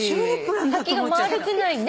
先が丸くないね。